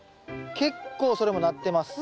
結構それもなってます。